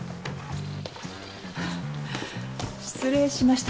はぁ失礼しました